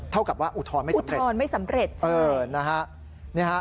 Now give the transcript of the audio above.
เท่ากับว่าอุทธรรณ์ไม่สำเร็จ